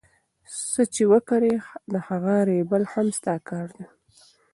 څه چي وکرې د هغه رېبل هم ستا کار دئ.